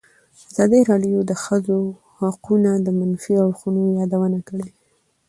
ازادي راډیو د د ښځو حقونه د منفي اړخونو یادونه کړې.